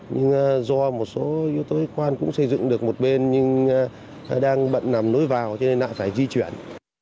nhưng do một số yếu tố khó khăn cũng xây dựng được một bên nhưng đang bận nằm nối vào cho nên đã phải di chuyển